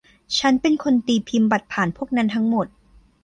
ฉันเป็นคนตีพิมพ์บัตรผ่านพวกนั้นทั้งหมด